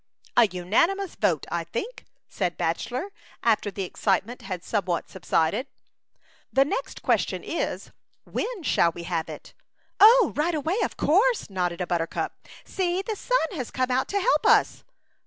"A unanimous vote, I think,'' said Bachelor, after the excitement had somewhat subsided. " The next question is. When shall we have it ?" "Oh! right away, of course," nodded 28 A Chant attqua Idyl. a buttercup. "See! the sun has come out to help us."